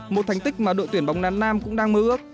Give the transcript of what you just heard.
một thành tích mà đội tuyển bóng đá nam cũng đang mơ ước